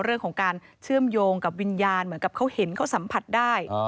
เรื่องของการเชื่อมโยงกับวิญญาณเหมือนกับเขาเห็นเขาสัมผัสได้